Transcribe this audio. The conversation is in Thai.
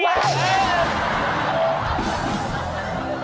เย้